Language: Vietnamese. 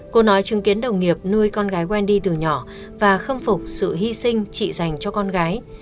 cô nói chứng kiến đồng nghiệp nuôi con gái quen đi từ nhỏ và khâm phục sự hy sinh chị dành cho con gái